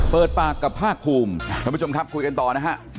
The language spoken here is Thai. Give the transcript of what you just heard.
เปิดปากกับภาคภูมิท่านผู้ชมครับคุยกันต่อนะฮะ